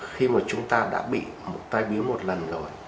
khi mà chúng ta đã bị tai biến một lần rồi